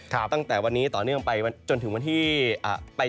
ตั้งแต่วันนี้ต่อเนื่องไปจนถึงวันที่ไป